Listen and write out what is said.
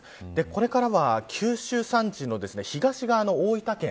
これからは、九州山地の東側の大分県